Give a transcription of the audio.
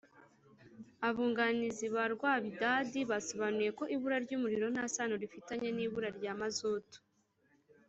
Abunganizi ba Rwabidadi basobanuye ko ibura ry’umuriro nta sano rifitanye n’ibura rya mazutu